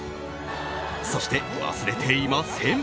そして、忘れていません。